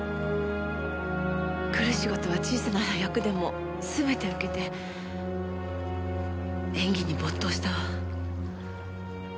来る仕事は小さな端役でも全て受けて演技に没頭したわ。